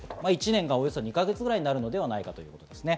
１年がおよそ２か月ぐらいになるのではないかということですね。